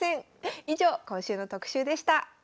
以上今週の特集でした。